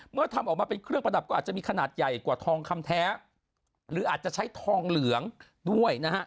ทำออกมาเป็นเครื่องประดับก็อาจจะมีขนาดใหญ่กว่าทองคำแท้หรืออาจจะใช้ทองเหลืองด้วยนะฮะ